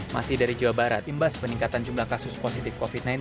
masih dari jawa barat imbas peningkatan jumlah kasus positif covid sembilan belas